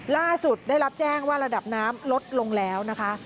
ล่าสุดได้รับแจ้งว่าระดับน้ำลดลงแล้วนะคะ